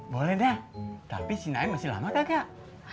boleh deh tapi si naim masih lama kagak